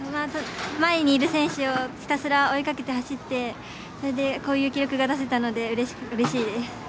前にいる選手をひたすら追いかけて走ってこういう記録が出せたのでうれしいです。